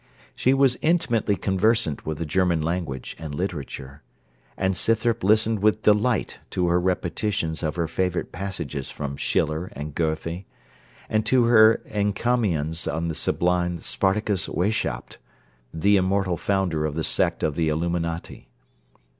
She was intimately conversant with the German language and literature; and Scythrop listened with delight to her repetitions of her favourite passages from Schiller and Goethe, and to her encomiums on the sublime Spartacus Weishaupt, the immortal founder of the sect of the Illuminati.